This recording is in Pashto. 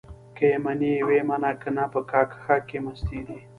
که يې منې ويې منه؛ که نه په کاکښه کې مستې دي.